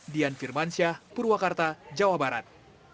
dian firmansyah purwakarta jawa barat